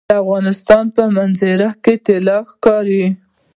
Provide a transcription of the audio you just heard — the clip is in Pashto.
د افغانستان په منظره کې طلا ښکاره ده.